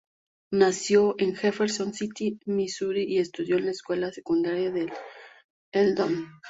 Nació en Jefferson City, Misuri y estudió en la escuela secundaria de Eldon.